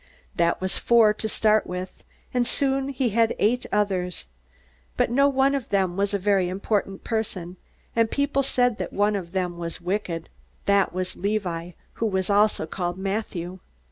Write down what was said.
That was four to start with, and soon he had eight others. But no one of them was a very important person, and people said that one of them was wicked. That was Levi, who was also called Matthew.